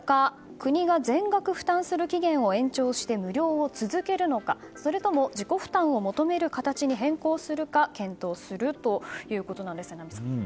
国が全額負担する期限を延長して無料を続けるのかそれとも自己負担を求める形に変更するか検討するということなんです、榎並さん。